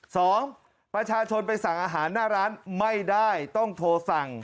สองประชาชนไปสั่งอาหารหน้าร้านไม่ได้ต้องโทรสั่ง